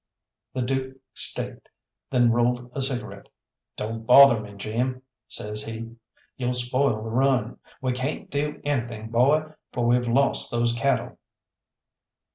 The Dook staked, then rolled a cigarette. "Don't bother me, Jim," says he, "you'll spoil the run. We can't do anything, boy, for we've lost those cattle."